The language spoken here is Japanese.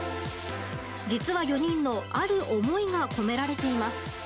実は４人のある思いが込められています。